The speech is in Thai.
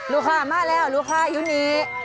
ลูกค้ามาแล้วลูกค้าอยู่นี้